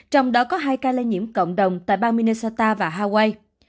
trong đó có hai ca lây nhiễm cộng đồng tại bang minusta và hawaii